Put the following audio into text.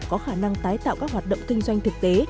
có khả năng tái tạo các hoạt động kinh doanh thực tế